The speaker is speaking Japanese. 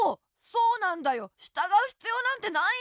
そうなんだよしたがうひつようなんてないんだよ。